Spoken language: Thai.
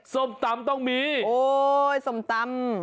ส้มตำต้องมีโอ้ยส้มตำ